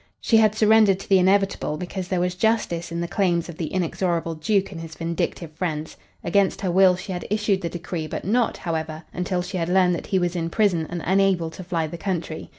She had surrendered to the inevitable because there was justice in the claims of the inexorable Duke and his vindictive friends. Against her will she had issued the decree, but not, however, until she had learned that he was in prison and unable to fly the country.